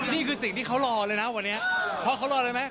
นี่คือสิ่งที่เขารอเลยนะวันนี้เพราะเขารออะไรไหม